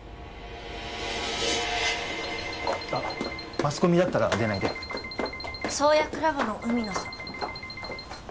マスコミだったら出ないで創薬ラボの海野さん